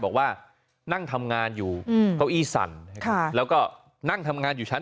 บอกว่านั่งทำงานอยู่เก้าอี้สั่นแล้วก็นั่งทำงานอยู่ชั้น